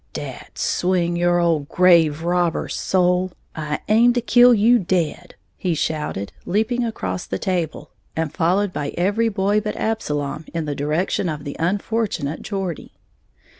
"Dad swinge your ole grave robber soul, I aim to kill you dead," he shouted, leaping across the table, and followed by every boy but Absalom in the direction of the unfortunate Geordie.